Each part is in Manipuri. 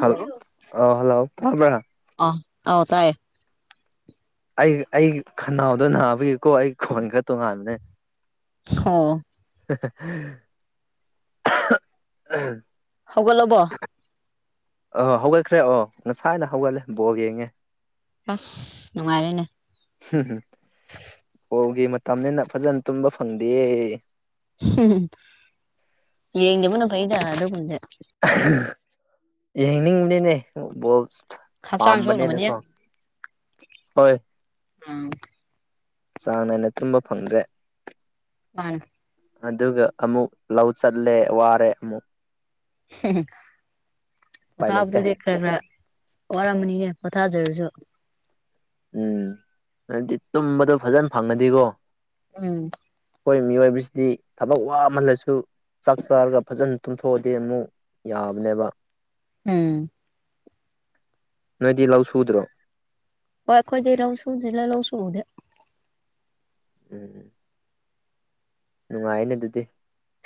ꯍꯜꯂꯣ ꯑꯣ ꯍꯜꯂꯣ ꯇꯥꯕꯔꯥ ꯑ ꯑꯎ ꯇꯥꯏꯌꯦ ꯑꯩ ꯑꯩ ꯈꯅꯥꯎꯗꯣ ꯅꯥꯕꯒꯤꯀꯣ ꯑꯩ ꯈꯣꯟ ꯈꯔ ꯇꯣꯉꯥꯟꯕꯅꯦ ꯑꯣ ꯍꯥꯍꯥ [unintelligible] ꯁꯦꯝ [unintelligible] ꯍꯧꯒꯠ ꯂꯕꯣ ꯑꯥ ꯍꯧꯒꯠꯈ꯭ꯔꯦ ꯑꯣ ꯉꯁꯥꯏꯅ ꯍꯧꯒꯠꯂꯦ ꯕꯣꯜ ꯌꯦꯡꯉꯦ ꯑꯁ ꯅꯨꯡꯉꯥꯏꯔꯦꯅꯦ ꯍꯨꯝ ꯍꯨ [unintelligible] ꯕꯣꯜꯒꯤ ꯃꯇꯝꯅꯤꯅ ꯐꯖꯅ ꯇꯨꯝꯕ ꯐꯪꯗꯦꯌꯦ ꯍꯨꯝ ꯌꯦꯡꯗꯕꯅ ꯐꯩꯗ ꯑꯗꯨꯒꯨꯝꯕꯗꯤ ꯌꯦꯡꯅꯤꯡꯕꯅꯤꯅꯦ ꯕꯣꯜ ꯍꯛꯆꯥꯡ ꯄꯥꯝꯕꯅꯤꯅꯀꯣ ꯁꯣꯛꯅꯕꯅꯤꯅꯦ ꯍꯣꯏ ꯎꯝ ꯆꯥꯡ ꯅꯥꯏꯅ ꯇꯨꯝꯕ ꯐꯪꯗ꯭ꯔꯦ ꯄ ꯑꯗꯨꯒ ꯑꯃꯨꯛ ꯂꯧ ꯆꯠꯂꯦ ꯋꯥꯔꯦ ꯑꯃꯨꯛ ꯍꯨ ꯍꯨꯝ ꯎꯄꯥꯏ ꯂꯩꯇꯦ ꯑꯣꯊꯥꯞꯗꯨꯗꯤ ꯈꯔ ꯈꯔ ꯋꯥꯔꯝꯝꯕꯅꯤꯅ ꯄꯣꯊꯥꯖꯔꯁꯨ ꯎꯝ ꯑꯗꯤ ꯇꯨꯝꯕꯗꯣ ꯐꯖꯅ ꯐꯪꯉꯗꯤꯀꯣ ꯎꯝ ꯑꯩꯈꯣꯏ ꯃꯤꯑꯣꯏꯕꯁꯤꯗꯤ ꯊꯕꯛ ꯋꯥꯝꯃꯜꯂꯁꯨ ꯆꯥꯛ ꯆꯥꯔꯒ ꯐꯖꯅ ꯇꯨꯝꯊꯣꯛꯑꯗꯤ ꯑꯃꯨꯛ ꯌꯥꯕꯅꯦꯕ ꯎꯝ ꯅꯣꯏꯗꯤ ꯂꯧ ꯁꯨꯗ꯭ꯔꯣ ꯍꯣꯏ ꯑꯩꯈꯣꯏꯗꯤ ꯂꯧꯁꯨꯨꯗꯦ ꯗꯦꯗꯥ ꯂꯧꯁꯨꯎꯗꯦ ꯎꯝ ꯅꯨꯡꯉꯥꯏꯅꯦ ꯑꯗꯨꯗꯤ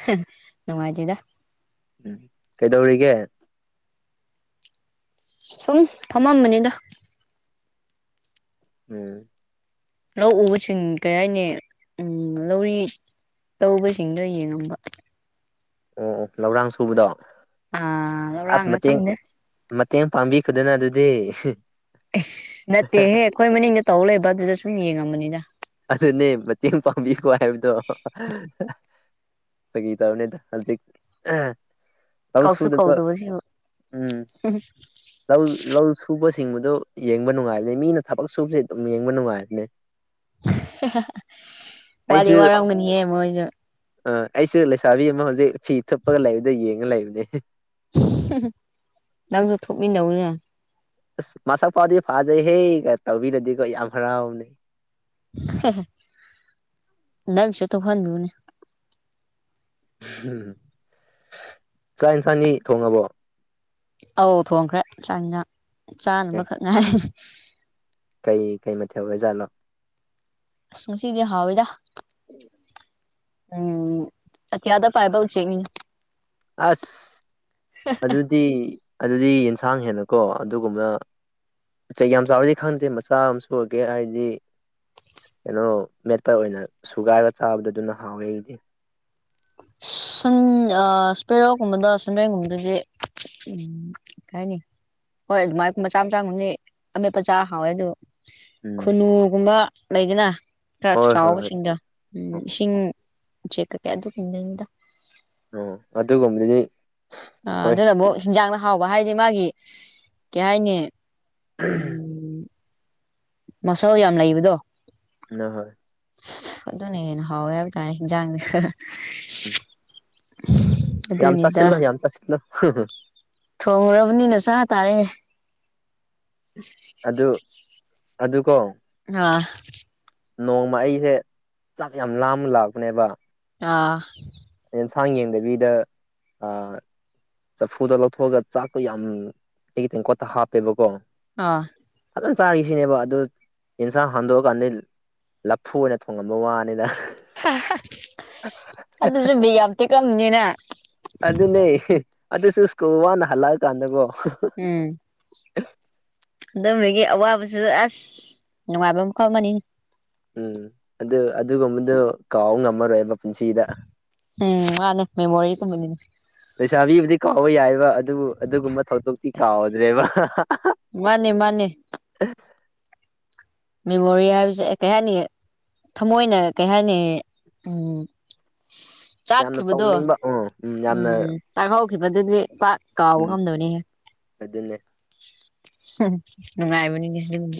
ꯍ ꯅꯨꯡꯉꯥꯏꯇꯗ ꯎꯝ ꯀꯩꯗꯧꯔꯤꯒꯦ ꯁꯨꯝ ꯐꯝꯃꯝꯕꯅꯤꯗ ꯎꯝ ꯂꯧ ꯎꯕꯁꯤꯡ ꯀꯩ ꯍꯥꯏꯅꯤ ꯎꯝ ꯂꯧꯔꯤ ꯇꯧꯕꯁꯤꯡꯗꯣ ꯌꯦꯡꯉꯝꯕ ꯑꯣ ꯑꯣ ꯂꯧꯔꯥꯡ ꯁꯨꯕꯗꯣ ꯑꯥ ꯑꯁ ꯂꯧꯔꯥꯡꯂ ꯃꯇꯦꯡ ꯈꯪꯗꯦ ꯃꯇꯦꯡ ꯄꯥꯡꯕꯤꯈꯗꯅ ꯑꯗꯨꯗꯤ ꯑꯁ ꯅꯠꯇꯦꯍꯦ ꯑꯩꯈꯣꯏ ꯃꯅꯤꯡꯗ ꯇꯧ ꯂꯩꯕ ꯑꯗꯨꯗ ꯁꯨꯝ ꯌꯦꯡꯉꯝꯕꯅꯤꯗ ꯑꯗꯨꯅꯦ ꯃꯇꯦꯡ ꯄꯥꯡꯕꯤꯀꯣ ꯍꯥꯏꯕꯗꯣ ꯐꯒꯤ ꯇꯧꯅꯦꯗ ꯍꯧꯖꯤꯛꯑ ꯀꯧꯁꯨ ꯇꯧꯁꯨꯅꯕ ꯀꯧꯗꯕꯁꯤꯕꯨ ꯎꯝ ꯂꯧ ꯂꯧ ꯁꯨꯕꯁꯤꯡꯕꯗ ꯌꯦꯡꯕ ꯅꯨꯡꯉꯥꯏꯕꯅꯦ ꯃꯤꯅ ꯊꯕꯛ ꯁꯨꯕꯁꯦ ꯑꯗꯨꯝ ꯌꯦꯡꯕ ꯅꯨꯡꯉꯥꯏꯕꯅꯦ ꯋꯥꯗꯤ ꯑꯩꯁꯨ ꯋꯥꯔꯝꯒꯅꯤꯌꯦ ꯃꯣꯏꯁꯨ ꯑ ꯑꯩꯁꯨ ꯂꯩꯁꯥꯕꯤ ꯑꯃ ꯍꯧꯖꯤꯛ ꯐꯤ ꯊꯨꯞꯄꯒ ꯂꯩꯕꯗ ꯌꯦꯡꯉ ꯂꯩꯕꯅꯦ ꯅꯪꯁꯨ ꯊꯨꯞ ꯃꯤꯟꯅꯧ ꯅꯦ ꯑꯁ ꯃꯁꯛ ꯐꯥꯎꯗꯤ ꯐꯥꯖꯩꯍꯦ ꯇꯧꯕꯤꯔꯗꯤꯀꯣ ꯌꯥꯝ ꯍꯔꯥꯎꯕꯅꯦ ꯅꯪꯁꯨ ꯇꯨꯍꯟꯅꯨꯅꯦ ꯎꯝ ꯆꯥꯛ ꯏꯟꯁꯥꯡꯗꯤ ꯊꯣꯡꯉꯕꯣ ꯑꯧ ꯊꯣꯡꯈ꯭ꯔꯦ ꯆꯥꯡ ꯢꯟꯁꯥꯛ ꯑꯦ ꯆꯥꯅꯕꯈꯛ ꯉꯥꯏꯔ ꯀꯩ ꯀꯩ ꯃꯊꯦꯜ ꯑꯣꯏ ꯁꯥꯟ ꯅꯣ ꯉꯥꯁꯤꯗꯤ ꯍꯥꯎꯋꯤꯗ ꯎꯝ ꯑꯇꯤꯌꯥꯗ ꯄꯥꯏꯕ ꯎꯆꯦꯛꯅꯦ ꯑꯁ ꯑꯗꯨꯗꯤ ꯑꯗꯨꯗꯤ ꯌꯦꯟꯁꯥꯡ ꯍꯦꯟꯅꯀꯣ ꯑꯗꯨꯒꯨꯝꯅ ꯆꯍꯤ ꯌꯥꯝ ꯆꯥꯎꯔꯗꯤ ꯈꯪꯗꯦ ꯃꯆꯥ ꯑꯃ ꯁꯨꯔꯒꯦ ꯍꯥꯏꯔꯗꯤ ꯀꯩꯅꯣ ꯃꯦꯠꯇ ꯑꯣꯏꯅ ꯁꯨꯒꯥꯏꯔꯒ ꯆꯥꯕꯗ ꯑꯗꯨꯅ ꯍꯥꯎꯋꯦ ꯑꯩꯗꯤ ꯁꯟ ꯑ ꯁꯄꯦꯔꯣꯛꯒꯨꯝꯕꯗꯣ ꯁꯟꯔꯦꯡꯒꯨꯝꯕꯗꯗꯤ ꯎꯝ ꯀꯅꯤ ꯍꯣꯏ ꯑꯗꯨꯃꯥꯏꯅ ꯃꯆꯥ ꯃꯆꯥꯒꯗꯤ ꯑꯃꯦꯠꯄ ꯆꯥꯔ ꯍꯥꯎꯋꯦ ꯑꯗꯨ ꯎꯝ ꯈꯨꯨꯟꯅꯨꯒꯨꯝꯕ ꯂꯩꯗꯅ ꯈꯔ ꯍꯣꯏ ꯍꯣꯏ ꯍꯣꯏ ꯆꯥꯎꯕꯁꯤꯡꯗ ꯎꯝ ꯑꯣ ꯏꯁꯤꯡ ꯎꯆꯦꯛ ꯀꯩꯀꯌꯥ ꯑꯗꯨ ꯐꯪꯗꯅꯤꯗ ꯑꯖꯣ ꯑꯗꯨ ꯒꯨꯝꯗꯅꯤ ꯑ ꯑꯗꯨꯅ ꯑꯃꯨꯛ ꯍꯤꯟꯖꯥꯡꯗ ꯍꯥꯎꯕ ꯍꯥꯏꯗꯤ ꯃꯥꯒꯤ ꯀꯩ ꯍꯥꯏꯅꯤ ꯎꯝ ꯃꯁꯜ ꯌꯥꯝ ꯂꯩꯕꯗꯣ ꯅꯍꯣꯏ ꯑꯗꯨꯅ ꯍꯦꯟꯅ ꯍꯥꯎꯋꯦ ꯍꯥꯏꯕ ꯇꯥꯔꯦ ꯏꯟꯖꯥꯡꯗꯤ ꯎꯝ ꯌꯥꯝ ꯑꯗꯨꯅꯤꯗ ꯆꯥꯁꯤꯜꯂꯨ ꯌꯥꯝ ꯆꯥꯁꯤꯜꯂꯨ ꯊꯣꯡꯉꯨꯔꯕꯅꯤꯅ ꯆ ꯇꯥꯔꯦ ꯑꯗꯨ ꯑꯗꯨ ꯀꯣ ꯑꯥ ꯅꯣꯡꯃ ꯑꯩꯁꯦ ꯆꯥꯛ ꯌꯥꯝꯅ ꯂꯥꯝꯃꯒ ꯂꯥꯛꯄꯅꯦꯕ ꯑꯥ ꯌꯦꯟꯁꯥꯡ ꯌꯦꯡꯗꯕꯤꯗ ꯆꯐꯨꯗ ꯂꯧꯊꯣꯛꯑꯒ ꯆꯥꯛꯇꯣ ꯌꯥꯝ ꯑꯩꯒꯤ ꯇꯦꯡꯀꯣꯠꯇ ꯍꯥꯞꯄꯦꯕꯀꯣ ꯑꯥ ꯐꯖꯅ ꯆꯥꯒꯦꯁꯤꯅꯦꯕ ꯑꯗꯨ ꯑꯦꯟꯁꯥꯡ ꯍꯟꯗꯣꯛꯑꯀꯥꯟꯗꯗꯤ ꯂꯐꯨ ꯑꯣꯏꯅ ꯊꯣꯡꯉꯝꯕ ꯋꯥꯅꯤꯗ ꯑꯗꯨꯁꯨ ꯕꯤꯠ ꯌꯥꯝ ꯇꯦꯛꯉꯝꯅꯤꯅꯦ ꯑꯗꯨꯅꯦ ꯑꯗꯨꯁꯨ ꯁ꯭ꯀꯨꯜ ꯋꯥꯅ ꯍꯜꯂꯥꯑꯀꯥꯟꯗꯀꯣ ꯎꯝ ꯑꯗꯨꯝꯕꯒꯤ ꯑꯋꯥꯕꯁꯨ ꯑꯁ ꯅꯨꯡꯉꯥꯏꯕ ꯃꯈꯜ ꯑꯃꯅꯤꯍꯦ ꯎꯝ ꯑꯗꯨ ꯑꯗꯨꯒꯨꯝꯕꯗꯨ ꯀꯥꯎ ꯉꯝꯃꯔꯣꯏꯕ ꯄꯨꯟꯁꯤꯗ ꯎꯝ ꯃꯥꯅꯦ ꯃꯦꯃꯣꯔꯤꯒꯨꯝꯕꯅꯤꯅꯦ ꯂꯩꯁꯥꯕꯤꯕꯨꯗꯤ ꯀꯥꯎꯕ ꯌꯥꯏꯑꯦꯕ ꯑꯗꯨꯕꯨ ꯑꯗꯨꯒꯨꯝꯕ ꯊꯧꯗꯣꯛꯇꯤ ꯀꯥꯎꯗ꯭ꯔꯦꯕ ꯃꯥꯅꯦ ꯃꯥꯅꯦ ꯃꯦꯃꯣꯔꯤ ꯍꯥꯏꯕꯁꯦ ꯀꯩ ꯍꯥꯏꯅꯤ ꯊꯃꯣꯏꯅ ꯀꯩ ꯍꯥꯏꯅꯤ ꯎꯝ ꯌꯥꯝꯅ ꯆꯥꯛꯈꯤꯕꯗꯣ ꯇꯧꯅꯤꯡꯕ ꯎꯝ ꯌꯥꯝꯅ ꯎꯝ ꯆꯥꯛꯍꯧꯈꯤꯕꯗꯨꯗꯤ ꯄꯥꯛ ꯀꯥꯎꯕ ꯎꯝ ꯉꯝꯗꯕꯅꯤꯍꯦ ꯑꯗꯨꯅꯦ ꯅꯨꯡꯉꯥꯏꯕꯅꯤꯅꯦ ꯑꯗꯨꯝꯕ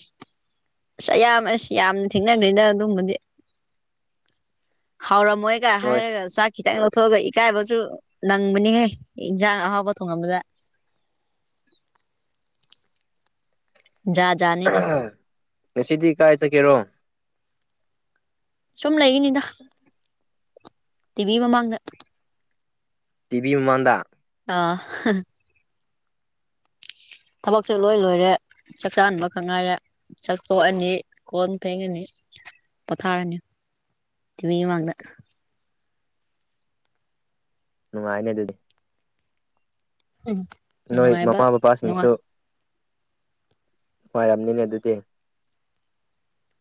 ꯑꯁ ꯑꯌꯥꯝꯕ ꯑꯁ ꯌꯥꯝꯅ ꯊꯦꯡꯅꯈ꯭ꯔꯤꯅ ꯑꯗꯨꯝꯕꯗꯤ ꯍꯥꯎꯔꯝꯃꯣꯏꯒ ꯍꯣꯏ ꯍꯥꯏꯔꯒ ꯆꯥꯛ ꯈꯤꯇꯪ ꯂꯧꯊꯣꯛꯑꯒ ꯏꯀꯥꯏꯕꯁꯨ ꯅꯪꯕꯅꯤꯍꯦ ꯏꯟꯖꯥꯡ ꯑꯍꯥꯎꯕ ꯊꯣꯡꯉꯝꯕꯗ ꯖꯥꯠ ꯖꯥꯠꯅꯤꯅꯦ ꯉꯁꯤꯗꯤ ꯀꯥꯏ ꯆꯠꯀꯦꯔꯣ ꯁꯨꯝ ꯂꯩꯔꯤꯅꯤꯗ ꯇꯤ ꯚꯤ ꯃꯃꯥꯡꯗ ꯇꯤ ꯚꯤ ꯃꯃꯥꯡꯗ ꯑ ꯊꯕꯛꯁꯨ ꯂꯣꯏ ꯂꯣꯏꯔꯦ ꯆꯥꯛ ꯆꯥꯍꯟꯕ ꯈꯛ ꯉꯥꯏꯔꯦ ꯆꯥꯛ ꯇꯣꯛꯑꯅꯤ ꯀꯣꯟ ꯐꯦꯡꯉꯅꯤ ꯄꯣꯊꯥꯔꯅꯤ ꯇ ꯃꯥꯗ [unintelligible] ꯅꯨꯡꯉꯥꯏꯅꯦ ꯑꯗꯨꯗꯤ ꯎꯝ ꯅꯣꯏ ꯅꯨꯡꯉꯥꯏꯕ ꯃꯃꯥ ꯅꯨꯡꯉꯥꯏ ꯕꯥꯕꯥꯁꯤꯡꯁꯨ ꯅꯨꯡꯉꯥꯏꯔꯝꯅꯤꯅꯦ ꯑꯗꯨꯗꯤ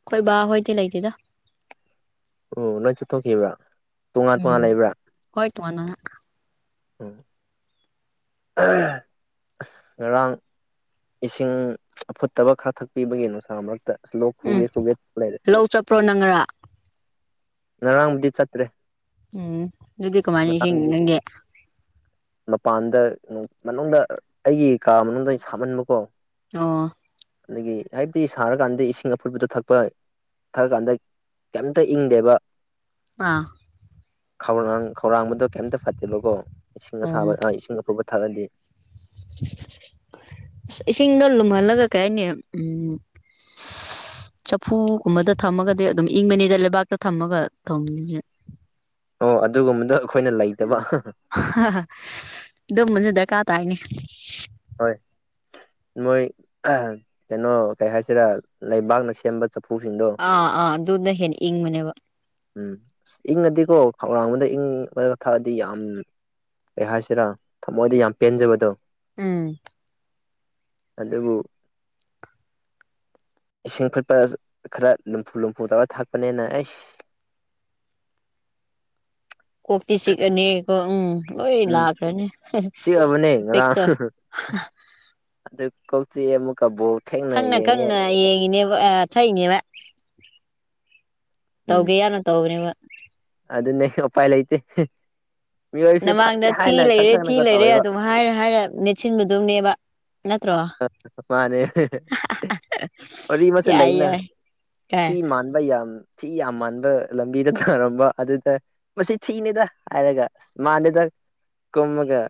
ꯑꯩꯈꯣꯏ ꯕꯥ ꯍꯣꯏꯗꯤ ꯂꯩꯇꯦꯗ ꯑꯣ ꯂꯣꯏ ꯆꯠꯊꯣꯛꯈꯤꯕ꯭ꯔꯥ ꯇꯣꯉꯥꯟ ꯇꯣꯉꯥꯟ ꯎꯝ ꯂꯩꯕ꯭ꯔꯥ ꯍꯣꯏ ꯇ ꯃꯅ [unintelligible] ꯎꯝ ꯑꯁ ꯉꯔꯥꯡ ꯏꯁꯤꯡ ꯑꯐꯨꯠꯇꯕ ꯈꯔ ꯊꯛꯄꯤꯕꯒꯤ ꯅꯨꯡꯁꯥ ꯃꯔꯛ ꯎꯝ ꯂꯧ ꯆꯠꯄ꯭ꯔꯣ ꯅꯪ ꯉꯔꯥꯡ ꯉꯔꯥꯡꯕꯨꯗꯤ ꯆꯠꯇ꯭ꯔꯦ ꯎꯝ ꯑꯗꯨꯗꯤ‌ ꯀꯃꯥꯏꯅ ꯅꯤꯡꯁꯤꯡꯏ‌ ꯉꯔꯥꯡꯗꯤ ꯅꯪꯗꯤ ꯃꯄꯥꯟꯗ ꯃꯅꯨꯡꯗ ꯑꯩꯒꯤ ꯀꯥ ꯃꯅꯨꯡꯗ ꯁꯥꯃꯟꯕꯀꯣ ꯑꯣ ꯑꯗꯒꯤ ꯍꯥꯏꯕꯗꯤ ꯁꯥꯔꯀꯥꯟꯗ ꯏꯁꯤꯡ ꯑꯐꯨꯠꯕꯗꯣ ꯊꯛꯄ ꯊꯛꯑ ꯀꯥꯟꯗ ꯀꯩꯝꯇ ꯏꯪꯗꯦꯕ ꯑ ꯈꯧꯔꯥꯡ ꯈꯧꯔꯥꯡꯕꯗꯣ ꯀꯩꯝꯇ ꯐꯠꯇꯦꯕꯀꯣ ꯏꯁꯤꯡ ꯑꯁꯥꯕ ꯑꯣ ꯏꯁꯤꯡ ꯑꯐꯨꯠꯄ ꯊꯛꯑꯗꯤ ꯏꯁꯤꯡꯗꯣ ꯂꯨꯝꯍꯜꯂꯒ ꯀꯩ ꯍꯥꯏꯅꯤ ꯎꯝ ꯆꯐꯨꯒꯨꯝꯕꯗ ꯊꯝꯃꯒꯗꯤ ꯑꯗꯨꯝ ꯏꯪꯕꯅꯤꯗꯦ ꯂꯩꯕꯥꯛꯇ ꯊꯝꯃꯒ ꯊꯝꯒꯦꯗꯦ ꯑꯣ ꯑꯗꯨꯒꯨꯝꯕꯗꯣ ꯑꯩꯈꯣꯏꯅ ꯂꯩꯇꯕ ꯑꯗꯨꯝꯕꯁꯨ ꯗꯔꯀꯥꯔ ꯇꯥꯏꯅꯦ ꯍꯣꯏ ꯅꯣꯏ ꯀꯩꯅꯣ ꯀꯩ ꯍꯥꯏꯁꯤꯔ ꯂꯩꯕꯥꯛꯅ ꯁꯦꯝꯕ ꯆꯐꯨꯁꯤꯡꯗꯣ ꯑꯥ ꯑꯥ ꯑꯗꯨꯅ ꯍꯦꯟꯅ ꯏꯪꯕꯅꯦꯕ ꯎꯝ ꯑ ꯏꯪꯉꯗꯤꯀꯣ ꯈꯧꯔꯥꯡꯕꯗ ꯏꯪꯕꯒ ꯊꯛꯑꯗꯤ ꯌꯥꯝ ꯀꯩ ꯍꯥꯏꯁꯤꯔꯥ ꯊꯃꯣꯏꯗ ꯌꯥꯝ ꯄꯦꯟꯖꯕꯗꯣ ꯎꯝ ꯑꯗꯨꯕꯨ ꯏꯁꯤꯡ ꯐꯨꯠꯄ ꯈꯔ ꯂꯨꯝꯐꯨ ꯂꯨꯝꯐꯨ ꯇꯧꯔꯒ ꯊꯛꯄꯅꯤꯅ ꯑꯩꯁ ꯀꯣꯛꯇꯤ ꯆꯤꯛꯑꯅꯤꯀꯣ ꯎꯝ ꯂꯣꯏ ꯎꯝ ꯂꯥꯛꯈ꯭ꯔꯅꯤ ꯆꯤꯛꯑꯕꯅꯦ ꯏꯐꯦꯛꯇꯣ ꯑꯗꯨꯗ ꯀꯣꯛ ꯆꯤꯛꯑꯦ ꯑꯃꯨꯛꯀꯕꯨ ꯈꯪꯅ ꯈꯪꯅ ꯌꯦꯡꯉꯤꯅꯦꯕ ꯊꯛꯏꯕꯅꯦꯕ ꯎꯝ ꯇꯧꯒꯦ ꯌꯥꯎꯅ ꯇꯧꯕꯅꯦꯕ ꯑꯗꯨꯅꯦ ꯎꯄꯥꯏ ꯂꯩꯇꯦ ꯃꯤꯑꯣꯏꯕꯁꯦ ꯅꯃꯥꯡꯗ ꯐꯠꯇꯦ ꯊꯤ ꯍꯥꯏꯅ ꯈꯪ ꯂꯩꯔꯦ ꯊꯤ ꯈꯪꯅꯒ ꯂꯩꯔꯦ ꯇꯧꯋꯦꯕ ꯑꯗꯨꯝ ꯍꯥꯏꯔ ꯍꯥꯏꯔ ꯅꯦꯠꯁꯤꯟꯕꯗꯧꯅꯦꯕ ꯅꯠꯇ꯭ꯔꯣ ꯃꯥꯅꯦ ꯋꯥꯔꯤ ꯑꯃꯁꯨ ꯌꯥꯏ ꯂꯩꯅ ꯌꯥꯏ ꯀꯥꯏ ꯊꯤ ꯃꯥꯟ ꯌꯥꯝ ꯊꯤ ꯌꯥꯝ ꯃꯥꯟꯕ ꯂꯝꯕꯤꯗ ꯊꯥꯔꯝꯕ ꯑꯗꯨꯗ ꯃꯁꯤ ꯊꯤꯅꯤꯗ ꯍꯥꯏꯔꯒ ꯑꯁ ꯃꯥꯅꯦꯗ ꯀꯨꯝꯃꯒ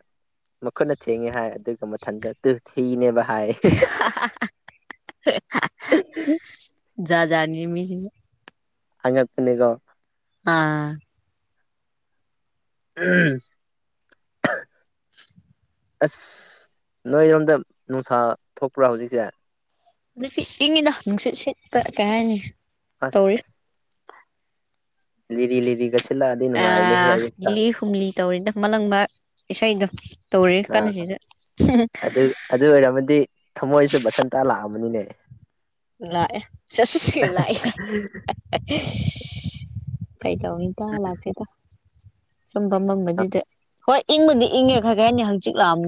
ꯃꯈꯨꯠꯅ ꯊꯦꯡꯉꯦ ꯍꯥꯏ ꯑꯗꯨꯒ ꯃꯊꯟꯇ ꯇꯨ ꯊꯤꯅꯦꯕ ꯍꯥꯏ ꯑ [inaudible] ꯖꯥꯠ ꯖꯥꯠꯅꯤ ꯃꯤꯁꯤꯡꯁꯦ ꯑꯉꯛꯄꯅꯤꯀꯣ ꯑꯥ ꯎꯝ [inaudible] ꯑꯁ ꯅꯣꯏꯔꯣꯝꯗ ꯅꯨꯡꯁꯥ ꯊꯣꯛꯄ꯭ꯔꯥ ꯍꯧꯖꯤꯛꯁꯦ ꯍꯧꯖꯤꯛꯇꯤ ꯏꯪꯉꯤꯗ ꯅꯨꯡꯁꯤꯠ ꯁꯤꯠꯄ ꯀꯩ ꯍꯥꯏꯅꯤ ꯑꯁ ꯇꯧꯔꯤ ꯂꯤꯔꯤ ꯂꯤꯔꯤꯒ ꯁꯤꯜꯂꯛꯑꯗꯤ ꯅꯨꯡꯉꯥꯏꯕꯅꯦꯍꯦ ꯑꯌꯨꯛꯇ ꯍꯨꯝꯂꯤ ꯇꯧꯔꯤꯗ ꯃꯂꯪꯕ ꯏꯁꯩꯗꯣ ꯇꯧꯔꯤ ꯑꯥ ꯀꯟꯅ ꯁꯤꯗ ꯑꯗꯨ ꯑꯗꯨ ꯑꯣꯏꯔꯝꯃꯗꯤ ꯊꯃꯣꯏꯁꯨ ꯕꯁꯟꯇꯥ ꯂꯥꯛꯑꯅꯤꯅꯦ ꯂꯥꯛꯑꯦ ꯆꯠꯁ ꯂꯥꯛꯑꯦ ꯀꯥꯏ ꯀꯩ ꯇꯧꯅꯤ ꯀꯥ ꯂꯥꯛꯇꯦꯗ ꯁꯨꯝ ꯐꯝꯃꯝꯕꯁꯤꯗ ꯍꯣꯏ ꯏꯪꯕꯨꯗꯤ ꯏꯪꯉꯦ ꯈꯔ ꯀꯩ ꯍꯥꯏꯅꯤ ꯍꯧꯖꯤꯛ ꯂꯥꯡ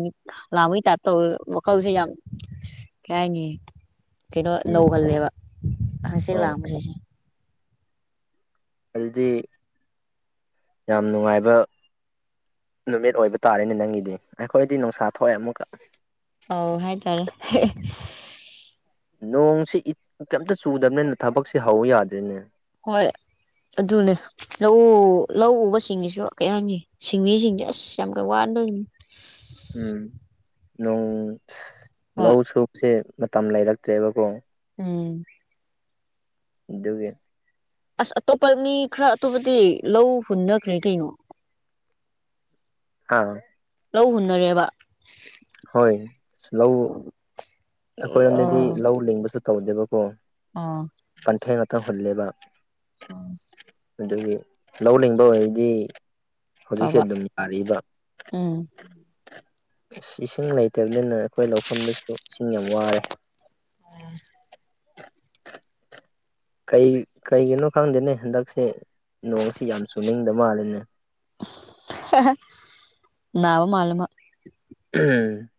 ꯂꯥꯡꯕꯥꯒꯤ ꯇꯥꯏꯞ ꯇꯧꯔ ꯋꯥꯈꯜꯁꯦ ꯌꯥꯝ ꯀꯩ ꯍꯥꯏꯅꯤ ꯀꯩꯅꯣ ꯎꯝ ꯅꯧꯍꯜꯂꯦꯕ ꯍꯀꯆꯤꯠ ꯑꯣ ꯂꯥꯡꯕꯁꯤꯁꯦ ꯑꯗꯨꯗꯤ ꯌꯥꯝ ꯅꯨꯡꯉꯥꯏꯕ ꯅꯨꯃꯤꯠ ꯑꯣꯏꯕ ꯇꯥꯔꯦꯅꯦ ꯅꯪꯒꯤꯗꯤ ꯑꯩꯈꯣꯏꯗꯤ ꯅꯨꯡꯁꯥ ꯊꯣꯛꯑꯦ ꯑꯃꯨꯛꯀ ꯑꯧ ꯍꯥꯏꯇꯥꯔꯦ ꯅꯣꯡꯁꯤ ꯀꯩꯝꯇ ꯆꯨꯗꯕꯅꯤꯅ ꯊꯕꯛꯁ ꯍꯧꯕ ꯌꯥꯗꯦꯅꯦ ꯍꯣꯏ ꯑꯗꯨꯅꯦ ꯂꯧ ꯂꯧ ꯎꯕ ꯁꯤꯡꯁꯤꯁꯨ ꯀꯩꯍꯥꯏꯅꯤ ꯁꯤꯟꯃꯤꯁꯤꯡꯁꯦ ꯑꯁ ꯌꯥꯝ ꯀꯩ ꯋꯥꯟꯗꯣꯏꯅꯤ ꯎꯝ ꯅꯣꯡ ꯍꯣꯏ ꯂꯧ ꯁꯨꯁꯦ ꯃꯇꯝ ꯂꯩꯔꯛꯇ꯭ꯔꯦꯕꯀꯣ ꯎꯝ ꯑꯗꯨꯒꯤ ꯑꯁ ꯑꯇꯣꯞꯄ ꯃꯤ ꯈꯔ ꯑꯇꯣꯞꯄꯗꯤ ꯂꯧ ꯍꯨꯟꯅꯈ꯭ꯔꯦ ꯀꯩꯅꯣ [inaudible] ꯍꯥ ꯂꯧ ꯍꯨꯟꯅꯔꯦꯕ ꯍꯣꯏ ꯂꯧ ꯑꯩꯈꯣꯏꯔꯣꯝꯗꯗꯤ ꯑ ꯂꯧ ꯂꯤꯡꯕꯁꯨ ꯇꯧꯗꯦꯕꯀꯣ ꯑꯥ ꯄꯥꯝꯐꯦꯜ ꯉꯥꯛꯇꯥ ꯍꯨꯜꯂꯦꯕꯥ ꯑꯡ ꯑꯗꯨꯒꯤ ꯂꯧ ꯂꯤꯡꯕ ꯑꯣꯏꯔꯗꯤ ꯍꯧꯖꯤꯛꯁꯦ ꯐꯕ ꯑꯗꯨꯝ ꯌꯥꯔꯤꯕ ꯎꯝ ꯑꯁ ꯏꯁꯤꯡ ꯂꯩꯇꯕꯅꯤꯅ ꯑꯩꯈꯣꯏ ꯂꯧꯐꯝꯗꯁꯨ ꯏꯁꯤꯡ ꯌꯥꯝ ꯋꯥꯔꯦ ꯑꯣ ꯀꯩ ꯀꯩꯒꯤꯅꯣ ꯈꯪꯗꯦꯅꯦ ꯍꯟꯗꯛꯁꯦ ꯅꯣꯡꯁꯤ ꯌꯥꯝ ꯆꯨꯅꯤꯡꯗ ꯃꯥꯜꯂꯤꯅꯦ ꯅꯥꯕ ꯃꯥꯂꯦ ꯃꯥ ꯎꯝ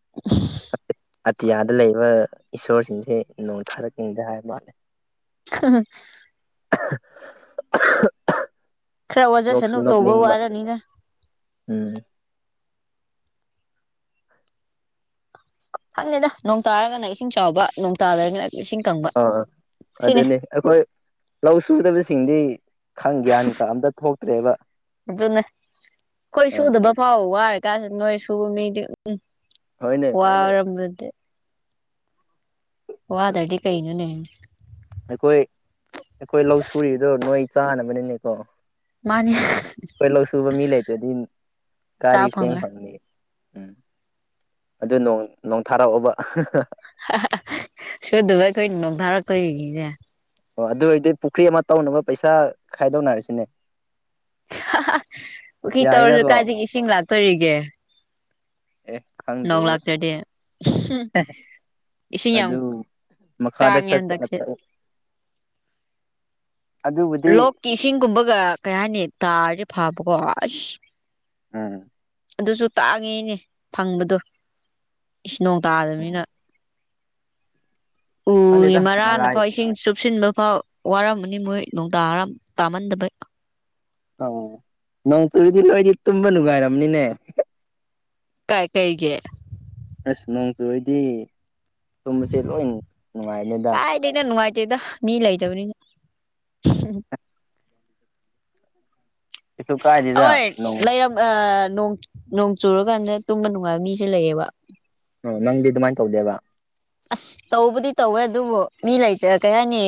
ꯑꯇꯤꯌꯥꯗ ꯂꯩꯕ ꯏꯁꯣꯔꯁꯤꯡꯁꯦ ꯅꯣꯡ ꯊꯥꯔꯛꯀꯅꯤꯗ ꯍꯥꯏꯕ ꯃꯥꯜꯂꯦ꯫ [unintelligible] [unintelligible] ꯈꯔ ꯅꯣꯛꯁꯨ ꯋꯥꯖꯁꯅꯨ ꯇꯧꯕ ꯅꯣꯛꯅꯤꯡꯕ ꯋꯥꯔꯅꯤꯅ꯫ ꯎꯝ ꯈꯪꯗꯦꯗ ꯅꯣꯡ ꯇꯥꯔꯒꯅ ꯏꯁꯤꯡ ꯆꯥꯎꯕ ꯅꯣꯡ ꯇꯥꯗ꯭ꯔꯒꯅ ꯏꯁꯤꯡ ꯀꯪꯕ ꯑꯥ ꯁꯤꯅꯦ꯫ ꯑꯗꯨꯅꯦ ꯑꯩꯈꯣꯏ ꯂꯧ ꯁꯨꯗꯕꯁꯤꯡꯗꯤ ꯈꯪ ꯒ꯭ꯌꯥꯟ ꯀ- ꯑꯝꯇ ꯊꯣꯛꯇ꯭ꯔꯦꯕ꯫ ꯑꯗꯨꯅꯦ ꯑꯩꯈꯣꯏ ꯑꯥ ꯁꯨꯗꯕ ꯐꯥꯎ ꯋꯥꯔꯀꯥꯟꯁꯤꯗ ꯅꯣꯏ ꯁꯨꯕ ꯃꯤꯗꯤ ꯎꯝ꯫ ꯍꯣꯏꯅꯦ ꯋꯥꯔꯝꯕꯗꯤ ꯋꯥꯗꯥꯗꯤ ꯀꯩꯅꯣꯅꯦ꯫ ꯑꯩꯈꯣꯏ -ꯑꯩꯈꯣꯏ ꯂꯧ ꯁꯨꯔꯤꯗꯣ ꯅꯣꯏ ꯆꯥꯅꯕꯅꯤꯅꯦꯀꯣ꯫ ꯃꯥꯅꯤ ꯑꯩꯈꯣꯏ ꯂꯧ ꯁꯨꯕ ꯃꯤ ꯂꯩꯇ꯭ꯔꯗꯤ ꯆꯥ ꯀꯥꯏꯗꯩꯩ ꯆꯦꯡ ꯐꯪꯉꯣꯏ ꯐꯦꯅꯤ ꯎꯝ꯫ ꯑꯗꯨ ꯅꯣꯡ ꯅꯣꯡ ꯊꯥꯔꯛꯑꯣꯕ ꯁꯨꯗꯕ ꯑꯩꯈꯣꯏ ꯅꯣꯡꯊꯥꯔꯛꯇꯣꯏꯅꯤꯅꯦ ꯑꯣ ꯑꯗꯨ ꯑꯣꯏꯔꯗꯤ ꯄꯨꯈ꯭ꯔꯤ ꯑꯃ ꯇꯧꯅꯕ ꯄꯩꯁꯥ ꯈꯥꯏꯗꯣꯅꯔꯁꯤꯅꯦ ꯄꯨꯈ꯭ꯔꯤ ꯇꯧꯔꯁꯨ ꯌꯥꯏꯅꯀꯣ ꯀꯥꯏꯗꯒꯤ ꯏꯁꯤꯡ ꯂꯥꯛꯇꯣꯔꯤꯒꯦ ꯑꯦ ꯅꯣꯡ ꯈꯪꯗ꯭ꯔꯦꯕꯨ ꯂꯥꯛꯇ꯭ꯔꯗꯤ ꯏꯁꯤꯡ ꯌꯥꯝ ꯑꯗꯨ ꯃꯈꯥꯗ ꯇꯥꯡꯉꯦ ꯍꯟꯗꯛꯁꯦ ꯈꯔ ꯑꯗꯨꯕꯨꯗꯤ ꯀꯤ ꯏꯁꯤꯡꯒꯨꯝꯕꯒ ꯀꯩ ꯍꯥꯏꯅꯤ ꯇꯥꯔꯗꯤ ꯐꯥꯕꯀꯣ ꯑꯁ ꯎꯝ ꯑꯗꯨꯁꯨ ꯇꯥꯡꯉꯤꯅꯦ ꯐꯪꯕꯗꯣ ꯏꯁ ꯅꯣꯡ ꯇꯥꯗꯕꯅꯤꯅ ꯎꯝ ꯎꯏ ꯈꯪꯗꯦꯗ ꯃꯔꯥꯏ ꯃꯔꯥꯅꯐꯥꯎ ꯏꯁꯤꯡ ꯆꯨꯞꯁꯤꯟꯕ ꯐꯥꯎ ꯋꯥꯔꯝꯃꯅꯤ ꯃꯣꯏ ꯅꯨꯡ ꯇꯥꯔꯝ-ꯇꯥꯃꯟꯗꯕꯩ ꯑ ꯅꯣꯡ ꯆꯨꯔꯤꯗꯤ ꯅꯣꯏꯗꯤ ꯇꯨꯝꯕ ꯅꯨꯡꯉꯥꯏꯔꯝꯅꯤꯅꯦ ꯀꯥꯏ ꯀꯩꯒꯤ ꯑꯁ ꯅꯣꯡꯆꯨꯔꯗꯤ ꯇꯨꯝꯕꯁꯦ ꯂꯣꯏ ꯅꯨꯡꯉꯥꯏꯅꯦꯗ ꯈꯪꯗꯦꯗ ꯅꯨꯡꯉꯥꯏꯇꯦꯗ ꯃꯤ ꯂꯩꯇꯕꯅꯤꯅ [unintelligible] ꯀꯩꯁꯨ ꯀꯥꯏꯗꯦ ꯍꯣꯏ ꯂꯩꯔꯝ ꯑ ꯅꯣꯡ ꯆꯨꯔꯀꯥꯟꯗ ꯇꯨꯝꯕ ꯅꯨꯡꯉꯥꯏꯕ ꯃꯤꯁꯨ ꯂꯩꯌꯦꯕ ꯑꯣ ꯅꯪꯗꯤ ꯑꯗꯨꯃꯥꯏꯅ ꯇꯧꯗꯦꯕ ꯑꯁ ꯇꯧꯕꯗꯤ ꯇꯧꯋꯦ ꯑꯗꯨꯕꯨ ꯃꯤ ꯂꯩꯇꯦ ꯀꯩꯍꯥꯏꯅꯤ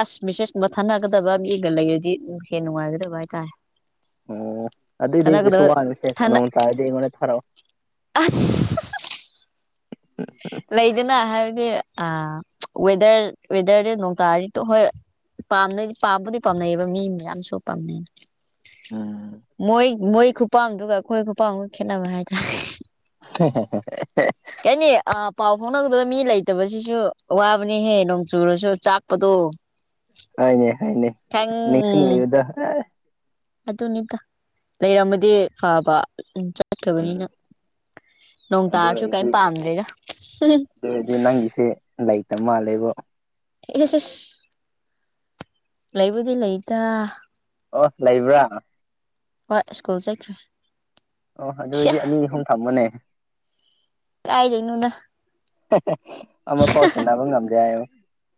ꯑꯁ ꯃꯤꯁꯦꯁ ꯊꯥꯅꯒꯗꯕ ꯃꯤꯒ ꯂꯩꯔꯗꯤ ꯍꯦꯟꯅ ꯅꯨꯡꯉꯥꯏꯒꯗꯕ ꯍꯥꯏꯇꯥꯔꯦ ꯑꯣ ꯑꯗꯨꯑꯣꯏꯗꯤ ꯊꯥꯅꯒꯗꯕ ꯀꯩꯁꯨ ꯋꯥꯔꯨꯅꯨꯁꯦ ꯊꯥꯅ ꯅꯣꯡ ꯇꯥꯔꯗꯤ ꯑꯩꯉꯣꯟꯗ ꯊꯥꯔꯛꯑꯣ ꯑꯁ ꯂꯩꯗꯅ ꯍꯥꯏꯕꯗꯤ ꯑ ꯋꯦꯗꯔ ꯋꯦꯗꯔꯗꯤ ꯅꯣꯡ ꯇꯥꯔꯤꯇꯣ ꯍꯣꯏ ꯄꯥꯝꯅꯩ ꯄꯥꯝꯕꯨꯗꯤ ꯄꯥꯝꯅꯩꯑꯕ ꯃꯤ ꯃꯌꯥꯝꯁꯨ ꯄꯥꯝꯅꯩꯅ ꯎꯝ ꯃꯣꯏ ꯃꯣꯏ ꯈꯨꯄꯥꯝꯗꯨꯒꯗꯨꯒ ꯑꯩꯈꯣꯏ ꯈꯨꯄꯥꯝꯒ ꯈꯦꯠꯅꯕ ꯍꯥꯏꯇꯥꯔꯦ [unintelligible] ꯀꯩꯍꯥꯏꯅꯤ ꯑꯞ ꯄꯥꯎ ꯐꯥꯎꯅꯒꯗꯕ ꯃꯤ ꯂꯩꯇꯕꯁꯤꯁꯨ ꯑꯋꯥꯕꯅꯤꯍꯦ ꯅꯣꯡ ꯆꯨꯔꯁꯨ ꯆꯥꯛꯄꯗꯣ ꯍꯥꯏꯅꯦ ꯍꯥꯏꯅꯦ ꯈꯤꯇꯪ ꯎꯝ ꯅꯤꯡꯁꯤꯡꯂꯤꯕꯗ ꯍꯣꯏ ꯑꯗꯨꯅꯤꯗ ꯂꯩꯔꯝꯃꯗꯤ ꯐꯕ ꯎꯝ ꯆꯠꯕꯅꯤꯅ ꯅꯣꯡ ꯇꯥꯔꯁꯨ ꯀꯔꯤꯝ ꯄꯥꯝꯗ꯭ꯔꯦꯗ ꯑꯗꯨꯗꯤ ꯅꯪꯒꯤꯁꯦ ꯂꯩꯇ ꯃꯥꯜꯂꯦꯕꯣ ꯑꯦꯁ ꯑꯦꯁ ꯂꯩꯕꯨꯗꯤ ꯂꯩꯇ ꯑꯣ ꯂꯩꯕ꯭ꯔꯥ ꯍꯣꯏ ꯁ꯭ꯀꯨꯜ ꯆꯠꯈ꯭ꯔꯦ ꯑꯣ ꯑꯗꯨ ꯁꯤꯌꯥ ꯑꯣꯏꯗꯤ ꯑꯅꯤ ꯑꯍꯨꯝ ꯊꯝꯃꯣꯅꯦ ꯀꯥꯏꯗꯩꯅꯣꯗ ꯑꯃ ꯄꯥꯎ ꯁꯦꯟꯅꯕ ꯉꯝꯗꯦ ꯍꯥꯏꯌꯣ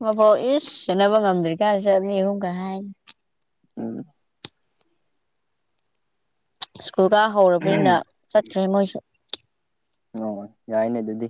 ꯑꯃ ꯐꯥꯎ ꯏꯁ ꯆꯦꯠꯅꯕ ꯉꯝꯗ꯭ꯔꯤ ꯀꯥ ꯆꯠꯅꯤ ꯑꯍꯨꯝ ꯀꯩ ꯍꯥꯏꯅꯤ ꯎꯝ ꯁ꯭ꯀꯨꯜ ꯀ ꯍꯧꯔꯕꯅꯤꯅ ꯆꯠꯈ꯭ꯔꯦ ꯃꯣꯏꯁꯨ ꯑꯣ ꯌꯥꯏꯅꯦ ꯑꯗꯨꯗꯤ